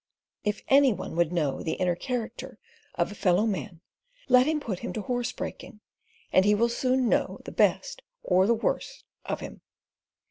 If any one would know the inner character of a fellow man, let him put him to horse breaking, and he will soon know the best or the worst of him.